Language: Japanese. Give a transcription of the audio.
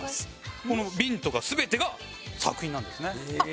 この瓶とか全てが作品なんですね。